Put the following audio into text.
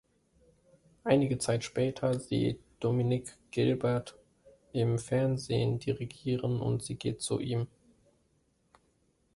Einige Zeit später sieht Dominique Gilbert im Fernsehen dirigieren und sie geht zu ihm.